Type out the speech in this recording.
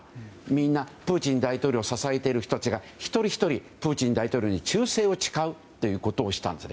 みんな、プーチン大統領を支えている人たちが一人ひとり、プーチン大統領に忠誠を誓うことをしたんです。